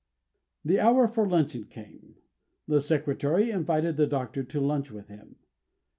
The hour for luncheon came. The Secretary invited the Doctor to lunch with him.